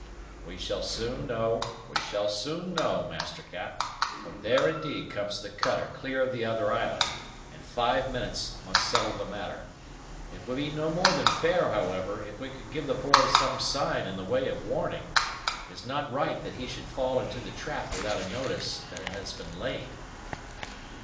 "We shall soon know, we shall soon know, Master Cap; for there, indeed, comes the cutter clear of the other island, and five minutes must settle the matter. It would be no more than fair, however, if we could give the boy some sign in the way of warning. It is not right that he should fall into the trap without a notice that it has been laid."